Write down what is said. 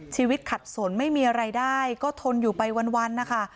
ชีวิตขัดสนไม่มีอะไรได้ก็ทนอยู่ไปวันนะคะ